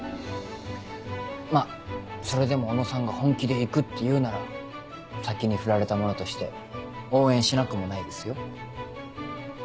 まぁそれでも小野さんが本気で行くっていうなら先にフラれた者として応援しなくもないですよ。